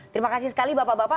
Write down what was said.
terima kasih sekali bapak bapak